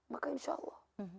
maka insya allah